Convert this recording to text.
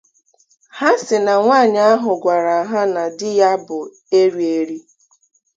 Ha sị na nwaanyị ahụ gwara ha na di ya bụ erieri